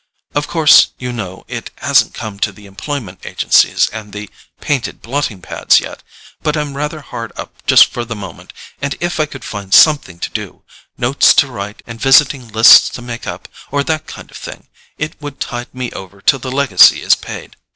"Of course, you know, it hasn't come to the employment agencies and the painted blotting pads yet; but I'm rather hard up just for the moment, and if I could find something to do—notes to write and visiting lists to make up, or that kind of thing—it would tide me over till the legacy is paid.